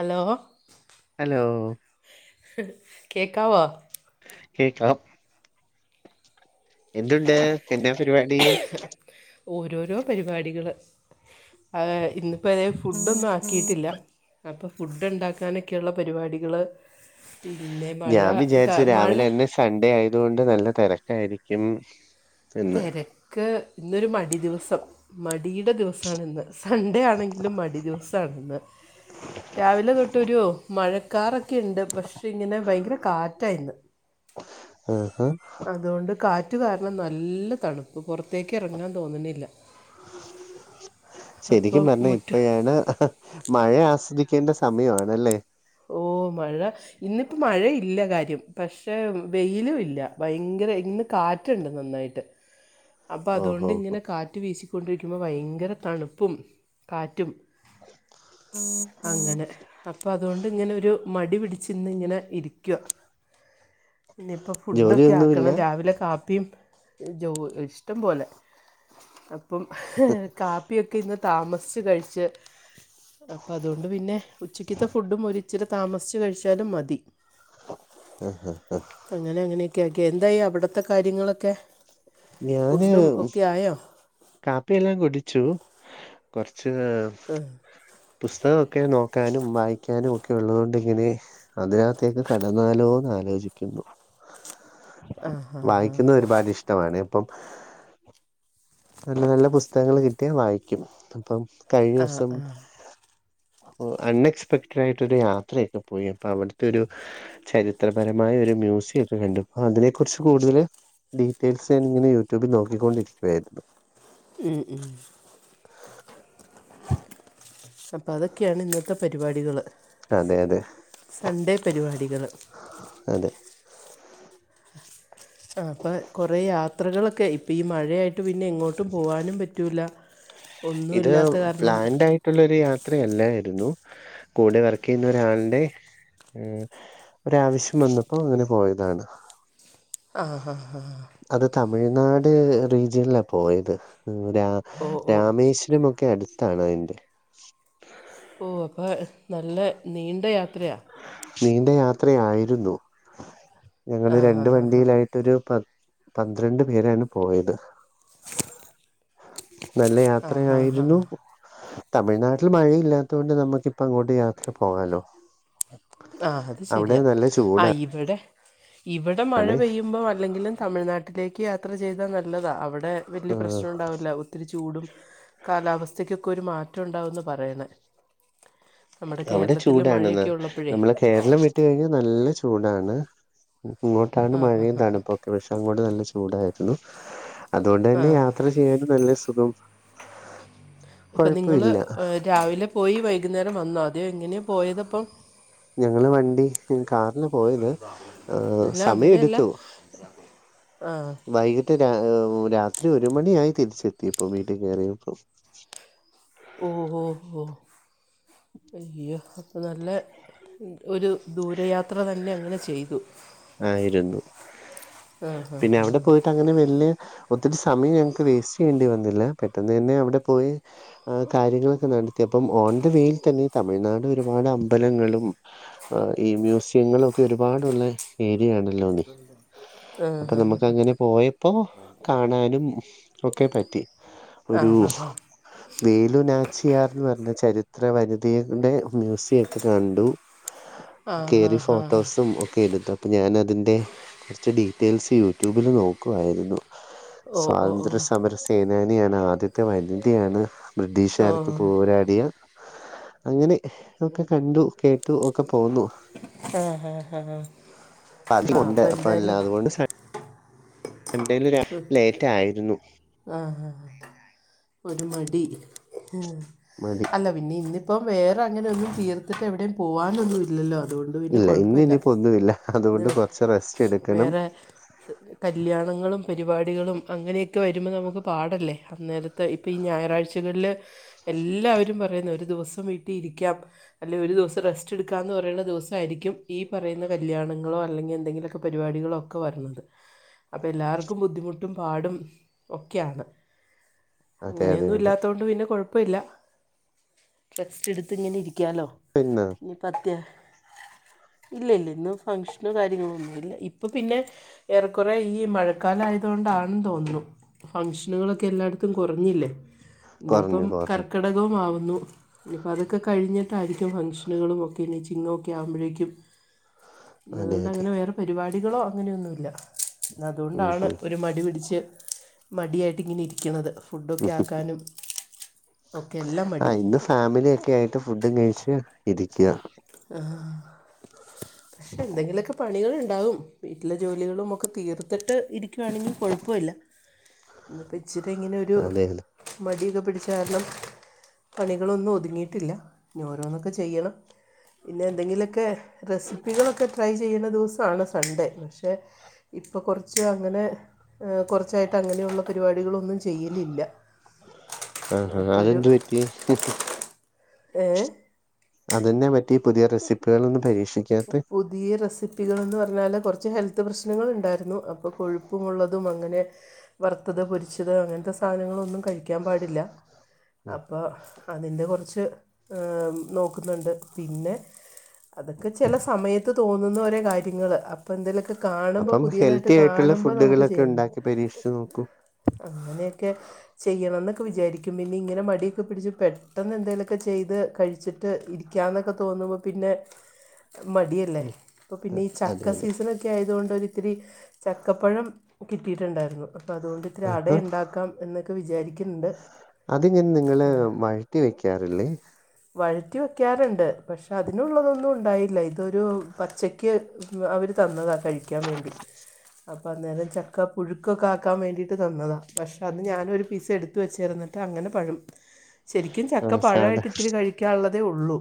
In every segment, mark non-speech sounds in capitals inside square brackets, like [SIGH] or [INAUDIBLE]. Hello hello കേക്കാവൊ കേക്കാം എന്തുണ്ട് എന്താ പരിവാടി ഓരോരോ പരിപാടികൾ ആഹ് ന്ന് പെരേ ഫുഡൊന്നും ആക്കിയിട്ടില്ല അപ്പ ഫുഡ് ണ്ടാക്കാനൊക്കെയുള്ള പരിപാടികൾ പിന്നെ മഴ ഗ മഴ സൺടെ ആയതുകൊണ്ട് നല്ല തെരക്കായിരിക്കും തെരക്ക് ന്നൊരു മടി ദിവസം മടിയുടെ ദിവസാണ് ന്ന് സൺഡേ ആണെങ്കിലും മടി ദിവസാണ്ന്ന് രാവിലെ തൊട്ടൊരു മഴക്കാറൊക്കെണ്ട് പക്ഷെ ങ്ങനെ ഭയങ്കര കാറ്റായിന്ന് ആഹാ റ്റു കാരണം നല്ല തണുപ്പ് പുറത്തേക്ക് എറങ്ങാൻ തോന്നുനില്ല ശരിക്കും പറഞ്ഞാ മുറ്റ ഇപ്പയാണ് മഴ ആസ്വദിക്കേണ്ട സമയണല്ലേ ഓ മഴ ഇന്നിപ്പ മഴ ഇല്ല കാര്യം പഷേ വെയിലും ഇല്ല ഭയങ്കര ഇന്ന് കാറ്റ്ണ്ട് നന്നായിട്ട് [INAUDIBLE] അപ്പൊ ഓഹോ അതൊണ്ട് ങ്ങനെ കാറ്റ് വീശിക്കൊണ്ടിരിക്കുമ്പോൾ ഭയ്ങ്കര തണുപ്പും കാറ്റും അങ്ങനെ അപ്പം അതൊണ്ട്ങ്ങനൊരു മടി പിടിച്ച് ഇന്നിങ്ങനെ ഇരിക്യ ഇനിപ്പോ ഫുഡൊക്കെ ജോലിയൊന്നുമില്ല ആക്കണം രാവിലെ കാപ്പിയും ജോ ഇഷ്ടം പോലെ പ്പം കാപ്പിയൊക്കെ ഇന്ന് താമസിച്ച് കഴിച്ച് അപ്പൊ അതൊണ്ട് പിന്നെ ഉച്ചക്കത്തെ ഫുഡും ഒരിച്ചിരി താമസിച്ച് കഴിച്ചാലും മതി [UNINTELLIGIBLE] അങ്ങനെ അങ്ങനെയൊക്കെയക്കെ എന്തായി അവിടത്തെ കാര്യങ്ങളൊക്കെ. ഞാന് ഫുഡും ഒക്കെ ആയോ കാപ്പിയെല്ലാം കുടിച്ചു കൊറച്ച്. ഉം പുസ്തകൊക്കെ നോക്കാനും വായിക്കാനും ഒക്കെ ഉള്ളത കൊണ്ടിങ്ങനെ. അതിനകത്തേക്ക് കടന്നാലോന്ന് ആലോചിക്കുന്നു. വായിക്കുന്നത് ഒരുപാട് ഇഷ്ടമാണ് ഇപ്പം. നല്ല നല്ല പുസ്തകങ്ങൾ കിട്ടിയാ വായിക്കും അപ്പം കഴിഞ്ഞൂസം. അൺ എക്സ്പെക്ടഡ് ആയിട്ടൊ ഒരു യാത്രയൊക്കെ പോയി അപ്പൊ അവിടുത്തെ ഒരു. ചരിത്രപരമായ ഒരു മ്യൂസിയ ഒക്കെ കണ്ടു പ്പോ അതിനെ കുുറിച്ച് കൂടുതൽ. ഡീറ്റെയിൽസ് ഞാന ഇങ്ങനെ യൂട്യൂബിൽ നോക്കിക്കൊണ്ടിരിക്കുകയായിരുന്നു. ഉം ഉം. അപ്പൊ അതൊക്കെയാണ് ഇന്നത്തെ പരിപാടികള്. അതെ അതെ അതെ. അപ്പൊ കൊറെേ യാത്രകളൊക്കെ ഇപ്പ ഈ മഴയായി ട്ട് പിന്നെ എങ്ങോട്ടും പോകാനും പറ്റില്ല ഒന്നുമ ഇല്ലാത്ത കാരണം. ആയിട്ടുള്ളൊരു യാത്രയല്ലായിരുന്നു കൂടെ വർക്ക് ചെയ്യുന്ന ഒരാളുടെ. ഒരാവശ്യം വന്നപ്പോ അങ്ങനെ പോയതാണ്. ആഹ് ഹാ അത് തമിഴ്നാട് റീജിയനില പോയത്. ഓ ഓ രാമേശ്വരമൊക്കെ അടുത്താണ് അതിന്റെ. ഓ അപ്പൾ നല്ല നീണ്ട യാത്രയാ നീണ്ട യാത്ര ആയിരുന്നു ഞങ്ങള് ആ ഹാ രണ്ട് ഹാ ഹാ വണ്ടിയിലായി ഒരു പ പന്ത്രണ്ട് പേരാണ് പോയത്. നല്ല ആ ഹാ ഹാ യാത്രയായിരുന്നു തമിഴ്നാട്ടിൽ മഴയില്ലാത്തൊണ്ട് നമുക്ക് അപ്പം ഇങ്ങോട്ട് യാത്ര പോകാലോ. ആഹ അത് അവിടെ ശരിയാ നല്ല ആ ചൂടാണ് ഇവിടെ. ഇവിടെ മഴ പെയ്യുമ്പോ അല്ലെങ്കിലും തമിഴ്നാട്ടിലേക്ക് യാത്ര ചെയ്താ നല്ലതാ അവിടെ. വലിയ ആഹ് പ്രശ്നം ഉണ്ടാവില്ല ഒത്തിരി ചൂടും കാലാവസ്ഥക്കൊക്കെ ഒരു മാറ്റം ഉണ്ടകുമെന്ന് പറയണേ. നമ്മുടെ അവിടെ കേരളത്തിൽ ചൂടാണെന്ന് മഴയൊക്കെ ഉള്ളപ്പോഴേ. നമ്മള് കേരളം വിട്ട കഴിഞ്ഞാൽ നല്ല ചൂടാണ് ഇങ്ങോട്ടാണ് ആ ഹാ മഴയും ഹാ തണുപ്പൊ. കൃഷൻകോണ്ട് നല്ല ചൂടായിരുന്നു അതുകൊണ്ട് ആ തന്നെ യാത്ര. ചെയ്യൻ നല്ല സുഖം അപ്പം നിങ്ങൾ കൊഴപ്പില്ല. രാവിലെ പോയി വൈകുന്നേരം വന്നാൽ മതിയോ എങ്ങനെയാണ് പോയത്പ്പം. ഞങ്ങള് വണ്ടി കാറിന് പോയത് സമയം എടുത്തു ആഹ. വൈകിട്ട് രാത്രി ഒരു മണിയായി തിരിച്ചെത്തിയപ്പോ വീട്ടിൽ കയറിയപ്പോ. ഓഹോ ഹോ അയ്യോ അപ്പം നല്ല. ഒരു ദൂരയാത്ര തന്നെ അങ്ങനെ ചെയ്തു. ആയിരുന്നു ആ ഹാ പിന്നെ ഹാ അവിടെ പോയിട്ട് അങ്ങനെ വലിയ. ഒത്തിരി സമയം ഞങ്ങൾക്ക് വേസ്റ്റ് ചെയ്യേണ്ടി വന്നില്ല പെട്ടെന്ന് തന്നെ അവിടെ പോയി. ആ കാര്യങ്ങളൊക്കെ നടത്തി അപ്പം ഓൺ ദ വേയിൽ തന്നെ തമിഴ്നാട് ഒരുപാട് അമ്പലങ്ങളും. ആ ഈ മ്യൂസിയങ്ങളൊക്കെ ഒരുപാടുള്ള. ഏരിയാണല്ലോ നീ ആ ഹാ അപ്പൊ നമുക്ക് അങ്ങനെ പോയപ്പോ. കാണാനും ഒക്കെ പറ്റി ഒരു. ആഹ് ആഹ് വേലുനാച്ചിയാർന്ന് പറഞ്ഞ ചരിത്ര വനിതയുടെ മ്യൂസിയം ഒക്കെ കണ്ടു. ആഹ് കേറി ആഹ് ആഹ് ഫോട്ടോസ്. ഒക്കെ എടുത്തിട്ട് അപ്പോൾ ഞാന അതിൻ്റെ കുറച്ച് ഡീറ്റെയിൽസ് യൂട്യൂബിൽ നോക്കുമായിരുന്നു. ഓ ഓ ഓ സ്വാതന്ത്ര്യ സമര സേനാനിയാണ് ആദ്യത്തെ വനിതയാണ്. ഓ ബ്രിട്ടീഷുകാർക്കെതിരെ പോരാടിയ അങ്ങനെ ഒക്കെ കണ്ടു കേട്ട ഒക്കെ പോന്നു ആഹ ഹ് ആഹ അപ്പൊ എന്തായാലും എന്തേലും ലേറ്റ് ആയിരുന്നു ആഹ ഒരു മടി ഉ മതി അല്ല പിന്നെ ഇന്നിപ്പം വേറെ അങ്ങന ഒന്നും തീർത്തിട്ട് എവിടെയും പോവാന്‍ ഒന്നും ഇല്ലല്ലോ അതുകൊണ്ട് പിന്നെ ഇല്ല ഇന്ന് കുഴപ്പമില്ല ഇനിയിപ്പോന്നുമില്ല അതുകൊണ്ട് കുറച്ച് റസ്റ്റ് എടുക്കണം വേറെ കല്യാണങ്ങളും പരിപാടികളും അങ്ങനെയൊക്കെ വരുമ്പോൾ നമുക്ക് പാടല്ലേ അന്നേരത്തെ ഇപ്പം ഈ ഞായറാഴ്ചകളിൽ എല്ലാവരും പറയുന്ന ഒരു ദിവസം വീട്ടിൽ ഇരിക്കാം അല്ലേ ഒരു ദിവസം റെസ്റ്റ് എടുക്കാ എന്ന് പറയണ ദിവസമായിരിക്കും ഈ പറയുന്ന കല്യാണങ്ങളോ അല്ലെങ്കിൽ എന്തെങ്കിലുമൊക്കെ പരിപാടികളോ ഒക്കെ വരുന്നത് അപ്പോ എല്ലാര്‍ക്കും ബുദ്ധിമുട്ടും പാടും ഒക്കെ ആണ് അതെ അതെ അങ്ങനെയൊന്നും അതെ ഇല്ലാത്തൊണ്ട് പിന്നെ കുഴപ്പമില്ല ടെസ്റ്റ് എടുത്ത് ഇങ്ങനെ ഇരിക്കാലോ പിന്നെ [UNINTELLIGIBLE] ഇല്ല ഇല്ല ഇന്ന് ഫങ്ഷനോ കാര്യങ്ങളൊന്നും ഇല്ല ഇപ്പോൾ പിന്നെ ഏറെക്കുറെ ഈ മഴ ക്കാല ആയതു കൊണ്ടാണെന്ന് തോന്നുന്നു ഫങ്ഷനുകളൊക്കെ എല്ലായിടത്തും കുറഞ്ഞില്ലേ ഇനിയിപ്പോ കുറഞ്ഞു കുറഞ്ഞു കർക്കിടകവും ആവുന്നു ഇനി അതൊക്കെ കഴിഞ്ഞിട്ടായിരിക്കും ഫങ്ഷനുകളും ഒക്കെ ഇനി ചിങ്ങക്കൊ ആവുമ്പോഴേക്കും [INAUDIBLE] അതുകൊണ്ട് അതെ അങ്ങനെ വേറെ പരിപാടികളോ അങ്ങനെയൊന്നും ഇല്ല ഉം അതുകൊണ്ടാണ് ഉം ഒരു മടി പിടിച്ച് മടിയായിട്ടയിങ്ങനെ ഇരിക്കുന്നത് ഉം ഫുഡൊക്കെ ഉം. ആക്കാനും ഒക്കെ എല്ലാം മടി ഫാമിലിയ ഒക്കെ ആയിട്ട് ഫുഡും കഴിച്ച് ഇരിക്കുക ആ പക്ഷെ എന്തെങ്കിലുമൊക്കെ പണികളുണ്ടാവും വീട്ടിലെ ജോലികളുമൊക്കെ തീർത്തിട്ട് ഇരിക്കുയാണെങ്കിൽ കൊഴപ്പമില്ല ഇനിപ്പം- ഇച്ചിരി ഇങ്ങനെ ഒരു- അതെ അതെ മടിയൊക്കെ പിടിച്ച കാരണം പണികളൊന്നും ഒതുങ്ങിയിട്ടില്ല ഇനി ഓരോന്നാക്കെ ചെയ്യണം പിന്നെ എന്തെങ്കിലുമൊക്കെ റെസിപ്പികളൊക്കെ ട്രൈ ചെയ്യുന്ന ദിവസമാണ് സൺഡേ പക്ഷെ- ഇപ്പോ കൊറച്ച് അങ്ങനെ കൊറച്ചായിട്ട് അങ്ങനെയുള്ള പരിപാടികളൊന്നും ചെയ്യലില്ല ആഹ് ആഹ് ഒക്കെ അത് ഒരു എന്ത് പറ്റി ഏ അത് എന്നാ പറ്റി പുതിയ റെസിപ്പികള് ഒന്നും പരീക്ഷിക്കാത്തെ പുതിയ റെസിപ്പികളെന്ന് പറഞ്ഞാല് കുറച്ച് ഹെൽത്ത് പ്രശ്നങ്ങളൾ ഉണ്ടായിരുന്നു അപ്പോ കൊഴുപ്പുമുള്ളതും അങ്ങനെ- വറുത്തത് പൊരിച്ചത് അങ്ങനത്തെ സാധനങ്ങളൊന്നും കഴിക്കാൻ പാടില്ല ഉം അപ്പോ അതിന്റെ കൊറച്ച് നോക്കുന്നുണ്ട് പിന്നെ- അതൊക്കെ ചെല സമയത്ത് തോന്നുന്ന ഒരേ കാര്യങ്ങള് അപ്പോ എന്തേലുലൊക്കെ കാണുമ്പോൾ അപ്പം പുതിയതായിട്ട് ഹെൽത്തി ആയിട്ടുള്ള കാണുമ്പോൾ നമുക്ക് ഫുഡുകളൊക്കെ ചെയ്യ ഉണ്ടാക്കി പരീക്ഷിച്ചു നോക്കൂ അങ്ങനെയൊക്കെ- ചെയ്യണം എന്നൊക്കെ വിചാരിക്കും പിന്നെ ഇങ്ങനെ മടിയൊക്കെ പിടിച്ച് പെട്ടെന്ന് എന്തെങ്കലുയൊക്കെ ചെയ്ത് കഴി ച്ചിട്ട് ഇരിക്കാ എന്നൊക്കെ തോന്നുമ്പോ പിന്നെ- മടിയല്ലേ അൽ- അപ്പ പിന്നെ ഈ അതെ ചക്ക അതെ സീസൺക്കെ ഒക്കെ ആയതുകൊണ്ട് ഒരിത്തിരി ചക്കപ്പഴം കിട്ടിയിട്ടുണ്ടായിരുന്നു അപ്പം അതുകൊണ്ട് ഇത്തിരി അട ആഹാ ഉണ്ടാക്കാം എന്നൊക്കെ വിചാരിക്കുന്നുണ്ട് അതിങ്ങനെ നിങ്ങള് വഴറ്റി വെക്കാറില്ലേ വഴറ്റി വെക്കാറുണ്ട് പക്ഷെ അതിനുള്ളതൊന്നും ഉണ്ടായി- ഇല്ല ഇതൊരു പച്ചക്ക് അവര് തന്നതാ കഴിക്കാൻ വേണ്ടി അപ്പൊ അന്നേരം ചക്കപുഴുക്ക് പുഴുക്കൊക്കെ ആക്കാൻ വേണ്ടിയിട്ട് തന്നതാ പക്ഷേ അത് ഞാനൊ ഒരു പീസ് എടുത്ത് വെച്ചേയിരുന്നിട്ട് അങ്ങനെ പഴ ശരിക്കും ആ ചക്ക സാധാ പഴമായിട്ട് ഇത്തിരി കഴിക്കാനുള്ളതേയുള്ളൂ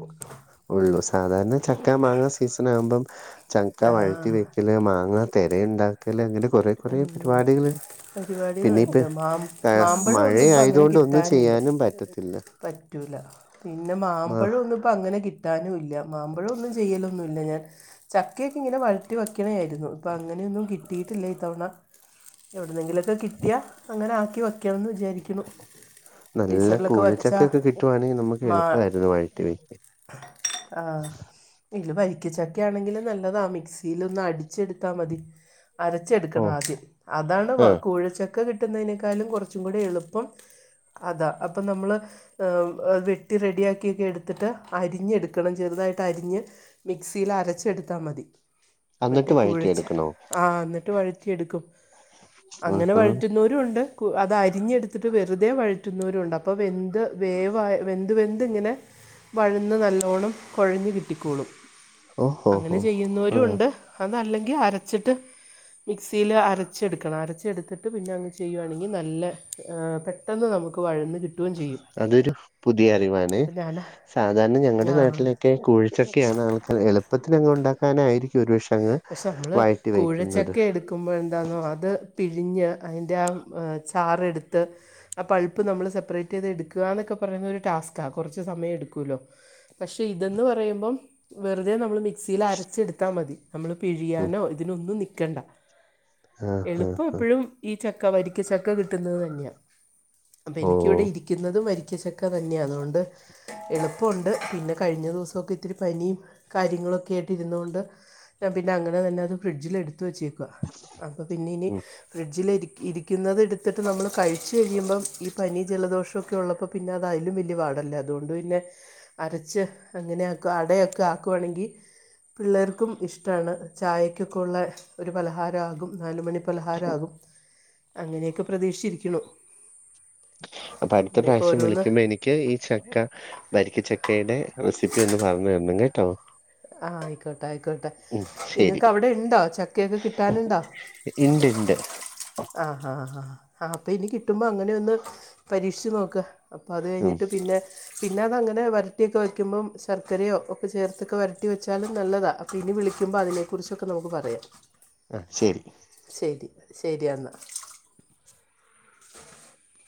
ഉള്ളൂ സാധാരണ ചക്ക മാങ്ങ സീസൺ ആകുമ്പം - ചക്ക ആ വഴറ്റി വെക്കല് മാങ്ങ തെര ഉണ്ടാക്കല് അങ്ങനെ കൊറേ കൊറേ പരിപാടികള്- പിന്നെ ഇപ്പ പരിപാടികളുണ്ട് മാം മാമ്പഴം മഴ ഒന്നും ഇപ്പ അങ്ങനെ ആയതുകൊണ്ട് ഒന്നും കിട്ടാനില്ല ചെയ്യാനും പറ്റത്തില്ല പറ്റൂല പിന്നെ ആ മാമ്പഴം ഒന്നും ഇപ്പ അങ്ങനെ കിട്ടാനും ഇല്ല മാമ്പഴം ഒന്നും ചെയ്യലൊന്നുയില്ല ഞാൻ ചക്കൊക്കെ ഇങ്ങനെ- [UNINTELLIGIBLE] വെക്കണായിരുന്നു ഇപ്പൊ അങ്ങനെയൊന്നും കിട്ടിയിട്ടില്ല ഇത്തവണ എവിടെന്നെങ്കിലൊക്കെ കിട്ടിയാ അങ്ങനെ ആക്കി വയ്ക്കണന്ന് വിചാരിക്കുന്നു ഫ്രീസറിലൊക്കെ വയ്ക്ക- ഇക്കൊക്കെ കിട്ടുവാണെങ്കിൽ നമുക്ക് എളുപ്പമായിരുന്നു വഴറ്റി വെക്ക- ആഹ് ഇത് വരിക്കച്ചക്ക ആണെങ്കിൽ നല്ലതാ മിക്സിൽ ഒന്ന് അടിച്ചെടുത്താൽ മതി അര ച്ചെ ഓ എടുക്കണം ആദ്യം അതാണ് ആ കൂഴചക്ക - ക്ക കിട്ടുന്നതിനക്കാളും കൊറച്ചും കൂടി എളുപ്പം അതാ അപ്പൊ നമ്മള്- വെട്ടി റെഡിയാക്കിയൊക്കെ എടുത്തിട്ട് അരിഞ്ഞെടുക്കണം ചെറുതായിട്ട് അരിഞ്ഞ്- മിക്സിയിൽ അരച്ചെടുത്താ മതി മറ്റേ എന്നിട്ട് കുഴച്ച് വഴറ്റിയെടുക്കണോ ആ എന്നിട്ട് വഴി- റ്റി എടുക്കും അങ്ങനെ ആഹാ വഴറ്റു ഉണ്ട് അത് അരിഞ്ഞടുത്തിട്ട് വെറുതെ വഴറ്റുന്നവരുണ്ട് അപ്പം വെന്ത്- വേവാ വെന്ത് വെന്ത് ഇങ്ങനെ വഴന്ന് നല്ലോണ്ണം കൊഴഞ്ഞ് കിട്ടിക്കോളും ഓഹോ അങ്ങനെ ഹോ ആ ചെയ്യുന്നവരുയുണ്ട് അതല്ലെങ്കിൽ അരച്ചിട്ട്- മിക്സിയിൽ അരച്ചെടുക്കണം അരച്ചെടുത്തിട്ട് പിന്നെ അങ്ങ് ചെയ്യുയാണെങ്കിൽ നല്ല പെ പെട്ടെന്ന് നമുക്ക് വഴന്ന് കിട്ടുകയും ചെയ്യും അതൊരു പുതിയ അറിവാണ് അപ്പം ഞാൻ സാധാരണ ഞങ്ങളുടെ ആ നാട്ടിലൊക്കെ- കൂഴചക്കെയാണ് ആൾക്ക് എളുപ്പത്തിനങ്ങ് ഉണ്ടാക്കാന ആയിരിക്കും ഒരു പക്ഷേ അങ്ങ്- പക്ഷെ നമ്മള് വഴറ്റി വെക്കുന്നത് കൂഴച്ചക്കെ എടു എക്കുമ്പോഴ എന്താണോ അത് പിഴിഞ്ഞ് അതിൻ്റെ ആ ചാറെടുത്ത്- ആ പൾപ്പ് നമ്മള് സെപ്പറേറ്റ് ചെയ്ത് എടുക്കുക എന്നൊക്കെ പറയുന്ന ഒരു ടാസ്ക്കാ കുറുച്ചു സമയം എടുക്കൂല്ലോ പക്ഷേ ഇതെന്ന് പറയുമ്പം വെറുതെ നമ്മൾ മിക്സിയിൽ അരച്ചെടുത്താൽ മതി. നമ്മൾ ഉം പിഴിയാനോ ഇതിനൊന്നും നിക്കണ്ട ആ ആ എളുപ്പം ആ എപ്പോഴും ഈ ചക്ക വരിക്കച്ചക്ക കിട്ടുന്നത് തന്നെയാ അപ്പം ഓ എനിക്കിവിടെ ഇരിക്കുന്നതും വരിക്കച്ച ഒക്കെ [UNINTELLIGIBLE] അതുകൊണ്ട് എളുപ്പമുണ്ട് പിന്നെ കഴിഞ്ഞ ദിവസക്കെ ഇത്തിരി പനി കാര്യങ്ങളൊക്കെയ ആയിട്ട് ഇരുന്നൊണ്ട് പിന്നെ അങ്ങനെ തന്നെ അത് ഫ്രിഡ്ജിൽ എടുത്ത് വെച്ചേക്കു അപ്പൊ പിന്നെ ഇനി ഉം ഫ്രിഡ്ജിൽ ഇ ഇരിക്കുന്നുന്നത് എടുത്തിട്ട് നമ്മൾ കഴിച്ച് കഴിയുമ്പം ഈ പനി ജലദോഷക്കെ ഉള്ളപ്പോം പിന്നെ അതാ അയ്ലും വലിയ പാടല്ലേ അതുകൊണ്ട് പിന്നെ അരച്ച് അങ്ങനെയ ആക്കും അടയൊക്കെ ആക്കുവാണെങ്കിൽ പിള്ളേർക്കും ഇഷ് ഷ്ടാണ് ചായക്കൊക്കെ ഉള്ള ഒരു പലഹാരാകും നാലുമണി പലഹാരകും. അങ്ങനെയൊക്കെ പ്രതീക്ഷിച്ചിരിക്ണു അപ്പൊ അടുത്ത പ്രാവശ്യം വിളിക്കുമ്പോ എനിക്ക് ക്കെ ഈ ചക്ക ഭരിക്ക ചക്കയുടെ റെസിപ്പി ഒന്ന് പറഞ്ഞു തരണം കേട്ടോ ആഹ് ആയിക്കോട്ടെ ആയിക്കോട്ടെ ഉം ശരി നിങ്ങൾക്ക് അവിടെ ഉണ്ടോ ചക്കയൊക്കെ കിട്ടാനുണ്ടോ? ഇണ്ട് ഇണ്ട് ആഹാ ആഹാ ആഹ് അപ്പൊ ഇനി കിട്ടുമ്പോ അങ്ങനെ ഒന്ന് പരീക്ഷിച്ച് നോക്ക് അപ്പൊ അത് ഉം കഴിഞ്ഞിട്ട് പിന്നെ പിന്നെ അതങ്ങനെ വരട്ടിയൊക്കെ വെക്കുമ്പോം ശർക്കരയോ ഒക്കെ ചേർത്തൊക്കെ വരട്ടി വെച്ചാലും നല്ലതാ ഇനി വിളുക്കുമ്പോഅതിനെക്ക കുറിച്ചൊക്കെ നമുക്ക് പറയാം. ആഹ് ശരി ശരി ശരി എന്നാൽ [INAUDIBLE]